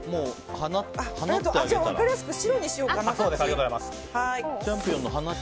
私、分かりやすく白にしようかな。